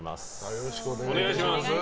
よろしくお願いします。